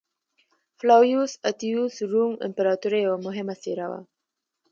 فلاویوس اتیوس روم امپراتورۍ یوه مهمه څېره وه